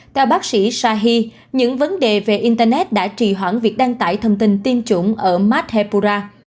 theo bác sĩ shahi những vấn đề về internet đã trì hoãn việc đăng tải thông tin tiêm chủng ở madhepura